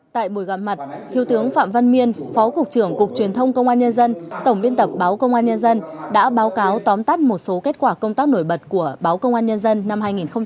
tại buổi gặp mặt thiếu tướng phạm văn miên phó cục trưởng cục truyền thông công an nhân dân tổng biên tập báo công an nhân dân đã báo cáo tóm tắt một số kết quả công tác nổi bật của báo công an nhân dân năm hai nghìn hai mươi ba